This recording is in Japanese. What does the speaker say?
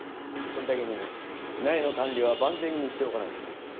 それだけに苗の管理は万全にしておかないとな。